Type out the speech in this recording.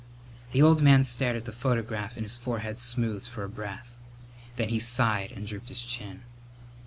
The old man stared at the photograph and his forehead smoothed for a breath. Then he sighed and drooped his chin.